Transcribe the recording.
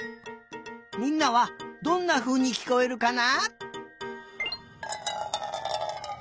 みんなはどんなふうにきこえるかな？